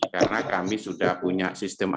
karena kami sudah punya sistem